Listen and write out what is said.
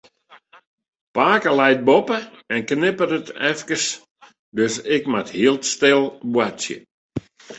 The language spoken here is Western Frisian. Pake leit boppe en knipperet efkes, dus ik moat heel stil boartsje.